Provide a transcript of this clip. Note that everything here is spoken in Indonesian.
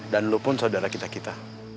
dan lo pun saudara kita kita